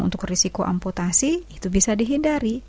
untuk risiko amputasi itu bisa dihindari